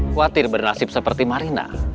khawatir bernasib seperti marina